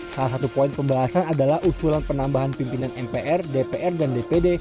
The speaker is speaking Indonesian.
salah satu poin pembahasan adalah usulan penambahan pimpinan mpr dpr dan dpd